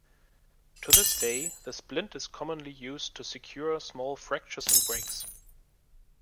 To this day, the splint is commonly used to secure small fractures and breaks.